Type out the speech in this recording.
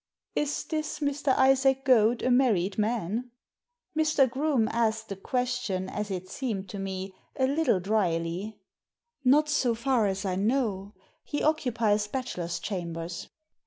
" Is this Mr. Isaac Goad a married man ?" Mr. Groome asked the question, as it seemed to me, a little dryly. "Not so far as I know. He occupies bachelor's chambers."